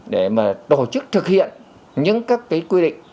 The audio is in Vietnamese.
để mà tổ chức thực hiện những các cái quy định